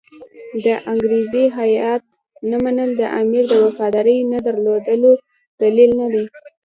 د انګریزي هیات نه منل د امیر د وفادارۍ نه درلودلو دلیل نه دی.